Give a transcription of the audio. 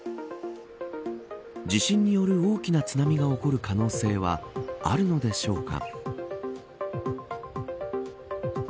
地震による大きな津波が起こる可能性はあるのでしょうか。